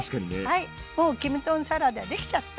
はいもうキム豚サラダ出来ちゃった！